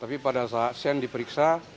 tapi pada saat shane diperiksa